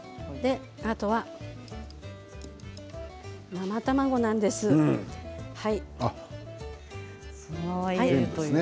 あとは生卵なんですけど。